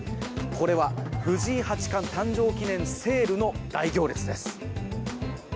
これは、藤井八冠誕生記念セールの大行列です。